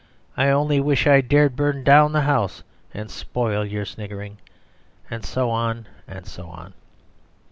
I only wish I dared burn down the house And spoil your sniggering!" and so on, and so on.